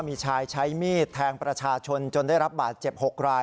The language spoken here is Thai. มีชายใช้มีดแทงประชาชนจนได้รับบาดเจ็บ๖ราย